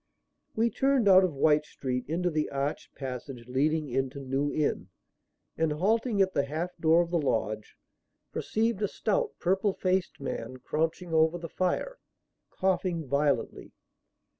We turned out of Wych Street into the arched passage leading into New Inn, and, halting at the half door of the lodge, perceived a stout, purple faced man crouching over the fire, coughing violently.